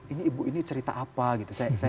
ini ibu ini cerita apa gitu